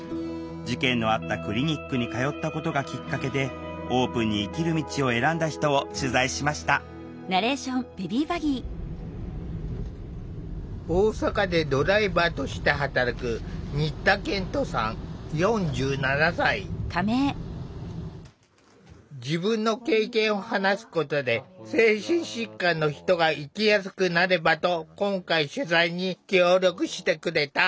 事件のあったクリニックに通ったことがきっかけでオープンに生きる道を選んだ人を取材しました大阪でドライバーとして働く自分の経験を話すことで精神疾患の人が生きやすくなればと今回取材に協力してくれた。